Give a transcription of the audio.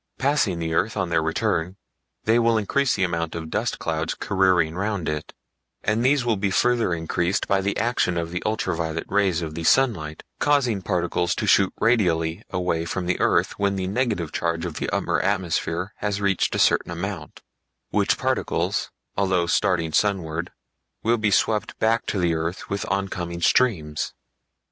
Passing the earth on their return they will increase the amount of dust clouds careering round it; and these will be further increased by the action of the ultra violet rays of the sunlight causing particles to shoot radially away from the earth when the negative charge of the upper atmosphere has reached a certain amount, which particles, although starting sunward, will be swept back to the earth with the oncoming streams.